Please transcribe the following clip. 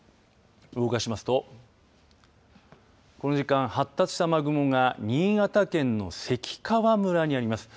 動かしますとこの時間発達した雨雲が新潟県の関川村にあります。